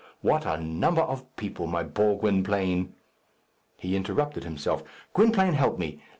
What a number of people, my poor Gwynplaine!" He interrupted himself. "Gwynplaine, help me.